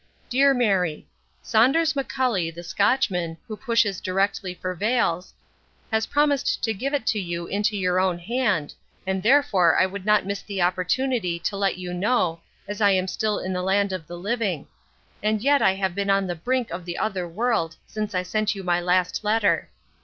DEAR MARY, Sunders Macully, the Scotchman, who pushes directly for Vails, has promised to give it you into your own hand, and therefore I would not miss the opportunity to let you know as I am still in the land of the living: and yet I have been on the brink of the other world since I sent you my last letter.